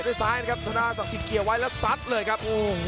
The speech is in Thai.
เปะไว้ซ้ายนะครับธนะศักดิ์สิ่งเสียไว้และสัดเลยครับ